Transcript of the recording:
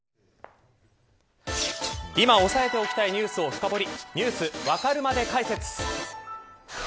今押さえておきたいニュースを深掘りＮｅｗｓわかるまで解説。